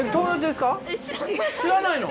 知らないの？